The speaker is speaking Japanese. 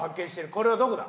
これはどこだ？